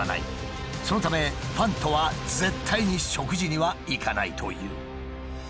そのためファンとは絶対に食事には行かないという。